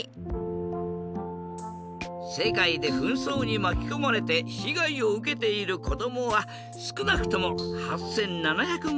世界で紛争にまきこまれて被害を受けている子どもはすくなくとも８７００万人。